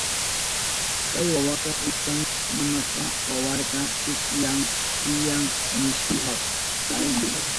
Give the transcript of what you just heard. Kay wawaka wiksan nanashpan wakarka, chiyán chiyán nishpa kaparirka.